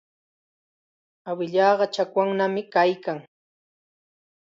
Awilanqa chakwannam kaykan.